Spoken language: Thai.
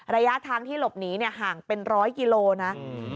ระยะทางที่หลบหนีเนี่ยห่างเป็นร้อยกิโลนะ